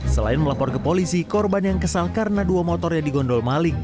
selain melapor ke polisi korban yang kesal karena dua motornya digondol maling